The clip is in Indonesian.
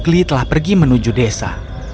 igli telah pergi menuju desa